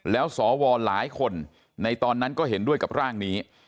แล้วสวหลายคนในตอนนั้นก็เห็นด้วยกับร่างนี้